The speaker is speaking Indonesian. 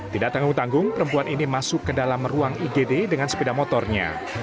tidak tanggung tanggung perempuan ini masuk ke dalam ruang igd dengan sepeda motornya